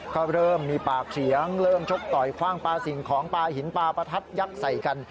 ก็เริ่มมีปากเสียงเริ่มชกต่อยคว่างปลาสิ่งของปลาหินปลาประทัดยักษ์ใส่กัน